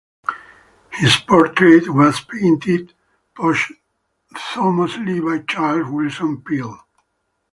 His portrait was painted posthumously by Charles Willson Peale.